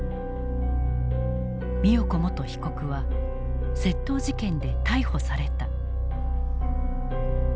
美代子元被告は窃盗事件で逮捕された。